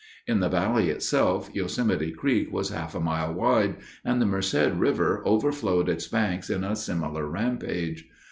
In the valley itself Yosemite Creek was half a mile wide, and the Merced River overflowed its banks on a similar rampage.